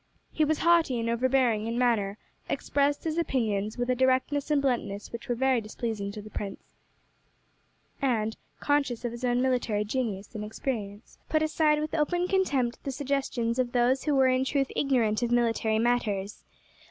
He was haughty and overbearing in manner, expressed his opinions with a directness and bluntness which were very displeasing to the prince, and, conscious of his own military genius and experience, put aside with open contempt the suggestions of those who were in truth ignorant of military matters.